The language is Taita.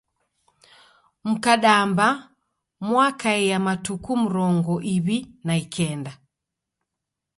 Mkadamba muakaia matuku mrongo iw'i na ikenda.